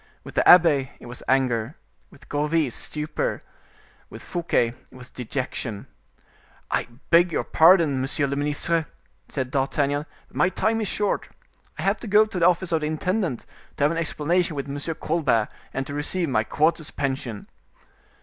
With the abbe it was anger, with Gourville stupor, with Fouquet it was dejection. "I beg your pardon, monsieur le ministre," said D'Artagnan, "but my time is short; I have to go to the office of the intendant, to have an explanation with Monsieur Colbert, and to receive my quarter's pension."